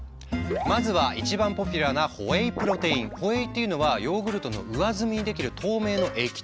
まずは一番ポピュラーなホエイっていうのはヨーグルトの上澄みに出来る透明の液体のこと。